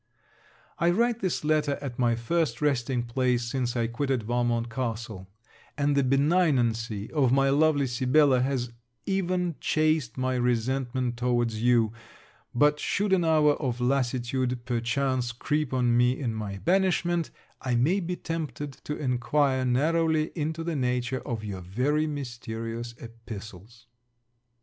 I write this letter at my first resting place since I quitted Valmont castle; and the benignancy of my lovely Sibella has even chased my resentment towards you, but should an hour of lassitude perchance creep on me in my banishment, I may be tempted to enquire narrowly into the nature of your very mysterious epistles.